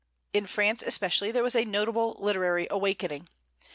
In France especially there was a notable literary awakening.